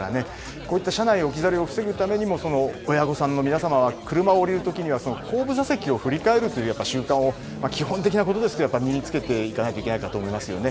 こういった車内置き去りを防ぐためにも親御さんの皆様は車を降りる時には後部座席を振り返るという習慣を基本的なことですけど身に付けていけないと思いますよね。